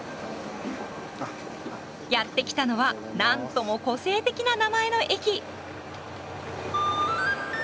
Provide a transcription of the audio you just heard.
やって来たのはなんとも個性的な名前の駅。